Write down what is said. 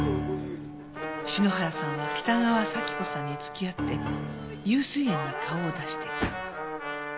篠原さんは北川サキ子さんに付き合って悠水苑に顔を出していた。